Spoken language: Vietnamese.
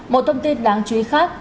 một thông tin đáng chú ý khác